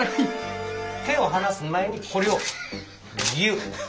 手を離す前にこれをぎゅっ。